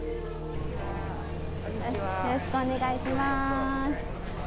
よろしくお願いします。